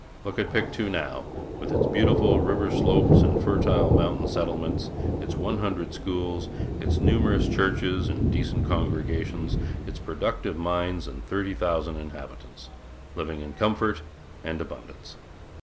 Look at Pictou now, with its beautiful river slopes and fertile mountain settlements, its one hundred schools, its numerous churches and decent congregations, its productive mines and thirty thousand inhabitants, living in comfort and abundance.